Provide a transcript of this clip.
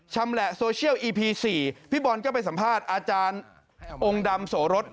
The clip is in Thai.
ชำแหละโซเชียลอีพี๔พี่บอลก็ไปสัมภาษณ์อาจารย์องค์ดำโสรส